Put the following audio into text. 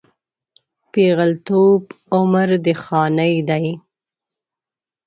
پېغلتوب عمر د خانۍ دی